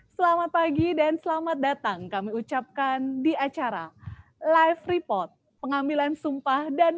selamat pagi dan selamat datang kami ucapkan di acara live report pengambilan sumpah dan